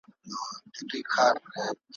چې آسمان پیاله د عدل په تکل ږدي